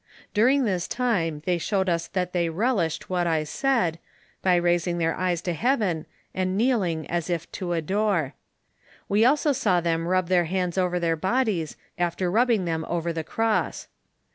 During this time they showed that they relished what I said, by raising their eyes to heaven, and kneeling as if to adore. We also saw them rub their hands over their bodies after rubbing them over tho cross.